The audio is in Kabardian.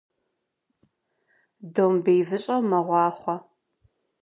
Домбей выщӀэу мэгъуахъуэ.